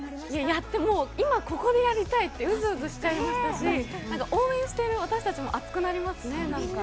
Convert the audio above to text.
やって、もう今、ここでやりたいって、うずうずしちゃいましたし、なんか応援してる私たちも熱くなりますね、なんか。